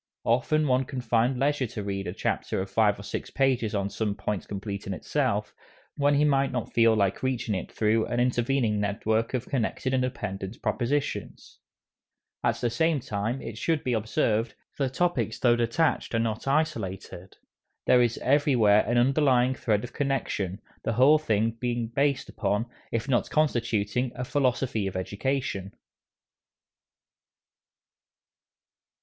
Often one can find leisure to read a chapter of five or six pages on some point complete in itself, when he might not feel like reaching it through an intervening network of connected and dependent propositions. At the same time, it should be observed, the topics though detached are not isolated. There is everywhere an underlying thread of connection, the whole being based upon, if not constituting, a philosophy of education.